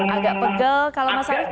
agak pegel kalau mas arief